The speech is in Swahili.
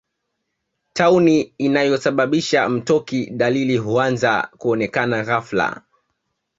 Tauni inayosababisha mtoki Dalili huanza kuonekana ghafla